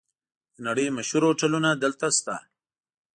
د نړۍ مشهور هوټلونه دلته شته.